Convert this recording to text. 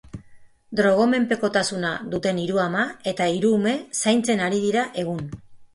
Drogomenpekotasuna duten hiru ama eta hiru ume zaintzen ari dira egun.